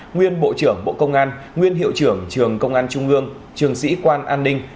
nguyên bộ trưởng bộ công an nguyên hiệu trưởng trường công an trung ương trường sĩ quan an ninh